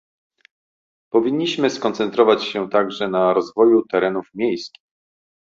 Powinniśmy skoncentrować się także na rozwoju terenów miejskich